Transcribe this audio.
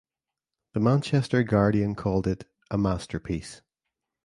The Manchester Guardian called it "a masterpiece".